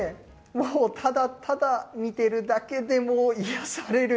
もう、ただただ見てるだけでもう癒やされる。